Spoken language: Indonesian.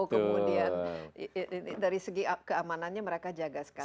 kemudian dari segi keamanannya mereka jaga sekali